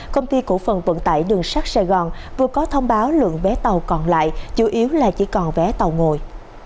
công ty cổ phần vận tải đường sắt sài gòn vừa có thông báo lượng vé tàu còn lại chủ yếu là chỉ còn vé tàu ngồi